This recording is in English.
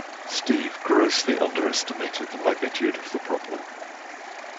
Steve grossly underestimated the magnitude of the problem.